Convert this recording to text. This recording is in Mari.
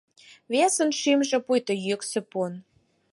Весын шӱмжӧ — пуйто йӱксӧ пун.